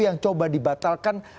yang coba dibatalkan